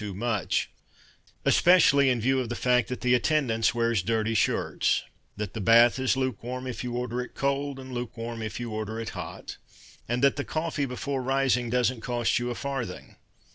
too much, Especially in view of the fact That the attendance wears dirty shirts, That the bath Is lukewarm if you order it cold And lukewarm if you order it hot; And that the coffee before rising Doesn't cost you a farthing.